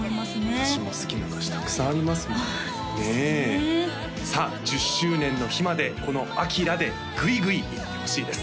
私も好きな歌詞たくさんありますもんねえさあ１０周年の日までこの「アキラ」でグイグイいってほしいです